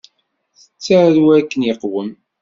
Tettaru akken iqwem.